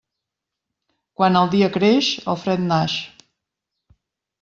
Quan el dia creix, el fred naix.